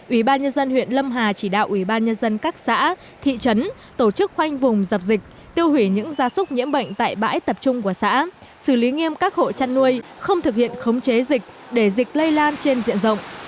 ubnd huyện lâm hà chỉ đạo ubnd các xã thị trấn tổ chức khoanh vùng dập dịch tiêu hủy những gia súc nhiễm bệnh tại bãi tập trung của xã xử lý nghiêm các hộ chăn nuôi không thực hiện khống chế dịch để dịch lây lan trên diện rộng